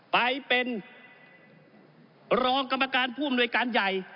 ไปเป็นรองกรรมการผู้อำนวยการใหญ่